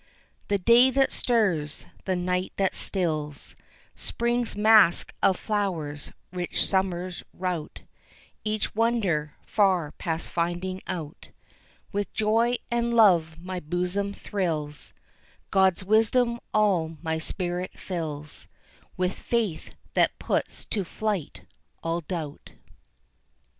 The day that stirs, the night that stills; Spring's masque of flowers; rich summer's rout; Each wonder, far past finding out, With joy and love my bosom thrills; God's wisdom all my spirit fills With faith that puts to flight all doubt.